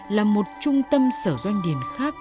là một trung tâm sở doanh điển khác